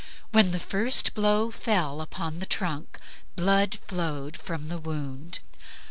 When the first blow fell upon the trunk blood flowed from the wound.